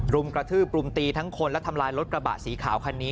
รุมกระทืบรุมตีทั้งคนและทำลายรถกระบะสีขาวคันนี้